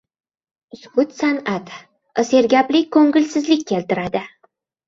• Sukut — san’at, sergaplik ko‘ngilsizlik keltiradi.